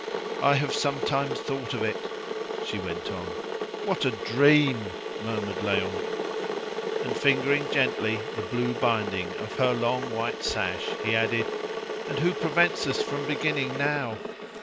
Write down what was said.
"I have sometimes thought of it," she went on. "What a dream!" murmured Léon. And fingering gently the blue binding of her long white sash, he added, "And who prevents us from beginning now?"